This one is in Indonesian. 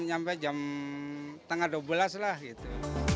nyampe jam tengah dua belas lah gitu